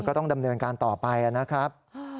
ก็ต้องดำเนินการต่อไปนะครับ